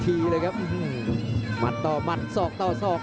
พยาบกระแทกมัดเย็บซ้าย